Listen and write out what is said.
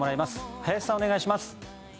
林さん、お願いします。